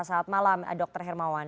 selamat malam dr hermawan